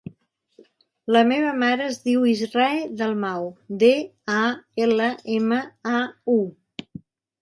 La meva mare es diu Israe Dalmau: de, a, ela, ema, a, u.